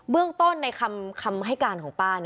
เรื่องต้นในคำให้การของป้า